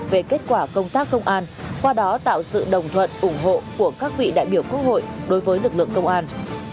về kết quả công tác công an qua đó tạo sự đồng thuận ủng hộ của các vị đại biểu quốc hội đối với lực lượng công an